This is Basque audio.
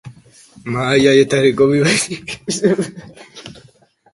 Mahai haietariko bi baizik ez zeuden hartuta.